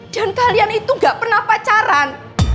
kalian itu gak pernah pacaran